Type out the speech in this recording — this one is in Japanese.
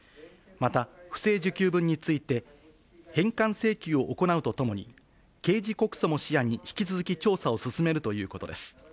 また、不正受給分について、返還請求を行うとともに、刑事告訴も視野に引き続き調査を進めるということです。